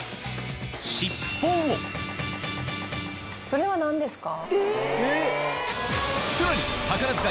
それは何ですか？